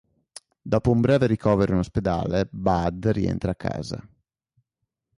Dopo un breve ricovero in ospedale, Bud rientra a casa.